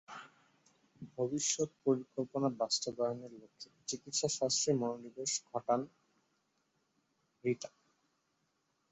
ভবিষ্যত পরিকল্পনা বাস্তবায়নের লক্ষ্যে চিকিৎসাশাস্ত্রে মনোনিবেশ ঘটান রীতা।